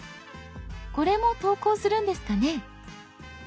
これも投稿するんですかね。